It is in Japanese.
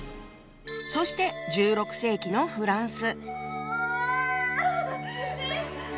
そして１６世紀のフランス。